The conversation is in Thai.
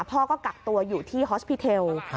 พ่อก็กักตัวอยู่ที่ฮอสพิเทล